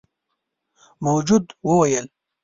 موجود وويل: